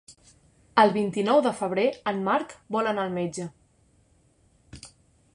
El vint-i-nou de febrer en Marc vol anar al metge.